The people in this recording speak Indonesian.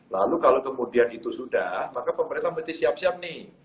lalu kalau kemudian itu sudah maka pemerintah mesti siap siap nih